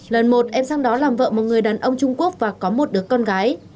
lần một em sang đó làm vợ một người đàn ông trung quốc và có một đứa con gái